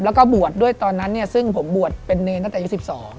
แล้วก็บวชด้วยตอนนั้นเนี่ยซึ่งผมบวชเป็นเนรตั้งแต่อายุ๑๒